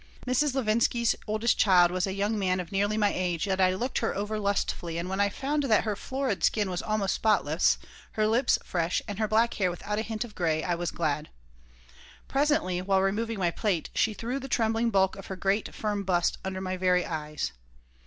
Mrs. Levinsky's oldest child was a young man of nearly my age, yet I looked her over lustfully and when I found that her florid skin was almost spotless, her lips fresh, and her black hair without a hint of gray, I was glad. Presently, while removing my plate, she threw the trembling bulk of her great, firm bust under my very eyes.